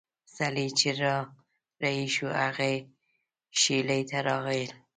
سړی چې را رهي شو هغې شېلې ته راغی.